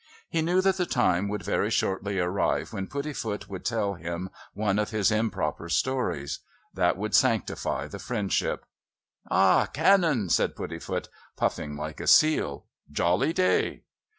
He knew that the time would very shortly arrive when Puddifoot would tell him one of his improper stories. That would sanctify the friendship. "Ha! Canon!" said Puddifoot, puffing like a seal. "Jolly day!"